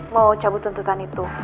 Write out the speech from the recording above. mau cabut tuntutan itu